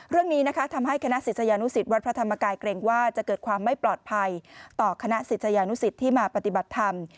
เรื่องนี้นะคะทำให้คณะศิษยานุสิตวัดพระธรรมกายเกรงว่าจะเกิดความไม่ปลอดภัยต่อคณะศิษยานุสิตที่มาปฏิบัติธรรม